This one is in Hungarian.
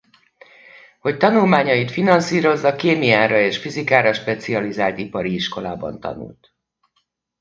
Hogy tanulmányait finanszírozza kémiára és fizikára specializált ipari iskolában tanult.